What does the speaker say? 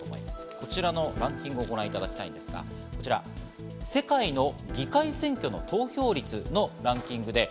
こちらのランキングをご覧いただきたいんですが、こちら世界の議会選挙の投票率のランキングです。